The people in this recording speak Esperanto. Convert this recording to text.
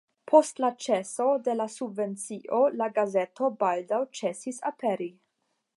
Post la ĉeso de la subvencio la gazeto baldaŭ ĉesis aperi.